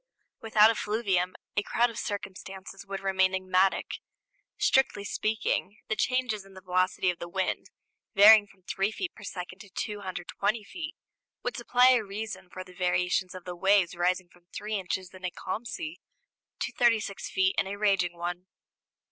Without effluvium a crowd of circumstances would remain enigmatic. Strictly speaking, the changes in the velocity of the wind, varying from 3 feet per second to 220 feet, would supply a reason for the variations of the waves rising from 3 inches in a calm sea to 36 feet in a raging one.